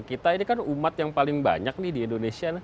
kita ini kan umat yang paling banyak nih di indonesia